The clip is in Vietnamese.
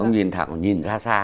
ông nhìn thẳng nhìn ra xa